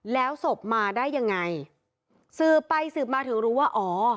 แล้วศพมาได้ยังไงสืบไปสืบมาถึงรู้ว่าอ๋อ